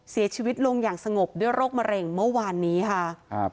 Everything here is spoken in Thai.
เสียชีวิตลงอย่างสงบด้วยโรคมะเร็งเมื่อวานนี้ค่ะครับ